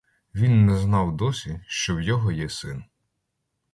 Він не знав досі, що в його є син.